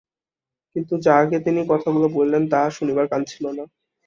কিন্তু যাঁহাকে তিনি কথাগুলি বলিলেন, তাঁহার শুনিবার কান ছিল না।